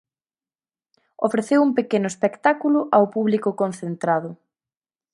Ofreceu un pequeno espectáculo ao público concentrado.